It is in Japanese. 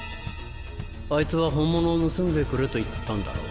あいつは本物を盗んでくれと言ったんだろう。